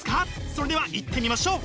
それではいってみましょう！